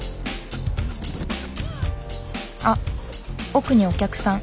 あっ奥にお客さん。